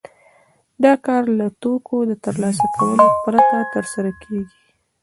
دا کار له توکو ترلاسه کولو پرته ترسره کېږي